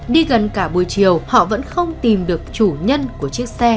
đi gần cả buổi chiều họ vẫn không tìm được chủ nhân của chiếc xe